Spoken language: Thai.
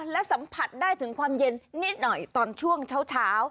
และสัมผัสได้ถึงความเย็นนิดหน่อยตอนช่วงเช้า